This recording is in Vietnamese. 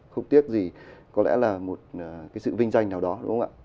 không tiếc gì có lẽ là một cái sự vinh danh nào đó đúng không ạ